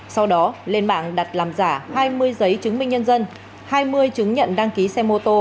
sau đó lên mạng đặt làm giả hai mươi giấy chứng minh nhân dân hai mươi chứng nhận đăng ký xe mô tô